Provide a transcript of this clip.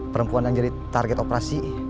perempuan yang jadi target operasi